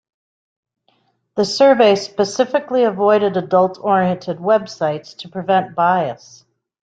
The survey specifically avoided adult-oriented websites to prevent bias.